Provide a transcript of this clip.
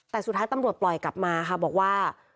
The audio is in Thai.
แต่สุดท้ายตำรวจปล่อยกลับมาค่ะบอกว่า